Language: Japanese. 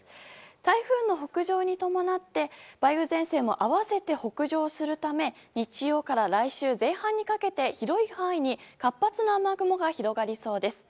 台風の北上に伴って梅雨前線も併せて北上するため日曜から来週前半にかけて広い範囲に活発な雨雲が広がりそうです。